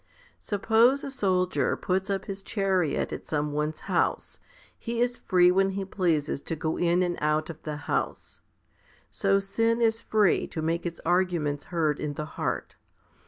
Suppose a soldier puts up his chariot at some one's house, he is free when he pleases to go in and out of that house. So sin is free to make its arguments heard in the heart.